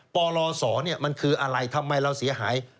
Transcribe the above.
ปลศมันคืออะไรทำไมเราเสียหาย